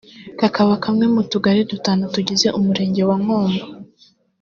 kakaba kamwe mu tugali dutanu tugize Umurenge wa Nkombo